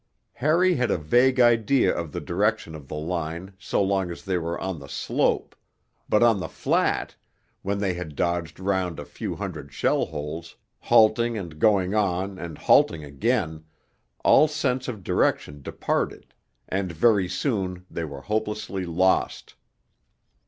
Harry had a vague idea of the direction of the line so long as they were on the slope; but on the flat, when they had dodged round a few hundred shell holes, halting and going on and halting again, all sense of direction departed, and very soon they were hopelessly lost.